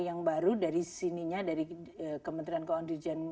yang sangat cukup berhubung kazumika